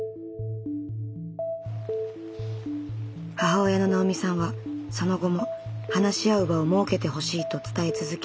母親の直美さんはその後も話し合う場を設けてほしいと伝え続け